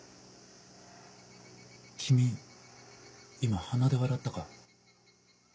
君今鼻で笑ったか？